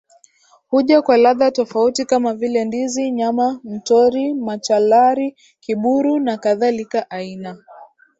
huja kwa ladha tofauti kama vile ndizi nyama mtori machalari kiburu na kadhalikaAina